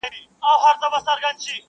یو لرګی به یې لا هم کړ ور دننه.!